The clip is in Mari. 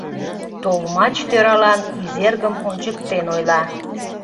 Толмач тӧралан Изергым ончыктен ойла: